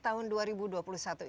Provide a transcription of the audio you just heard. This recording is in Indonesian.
mayang terima kasih banyak